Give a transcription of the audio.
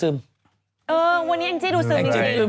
เออวันนี้อังจิดูสืมชอบ